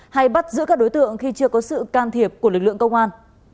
hay bắt giữ các đối tượng khi chưa có sự can thiệp của lực lượng công an